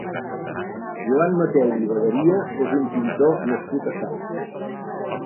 Joan Mateu i Bagaria és un pintor nascut a Salt.